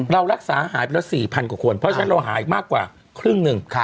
เรารักษาหายไปแล้ว๔๐๐กว่าคนเพราะฉะนั้นเราหาอีกมากกว่าครึ่งหนึ่ง